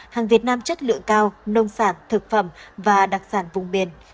hàng việt nam chất lượng cao nông sản thực phẩm và đặc sản vùng biển